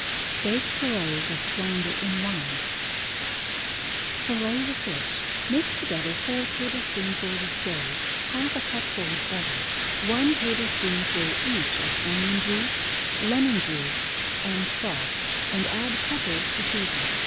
BAKED FILLETS OF FLOUNDER IN WINE Fillet the fish. Mix together four tablespoonfuls of Sherry, half a cupful of butter, one tablespoonful each of onion juice, lemon juice, [Page 140] and salt, and add pepper to season.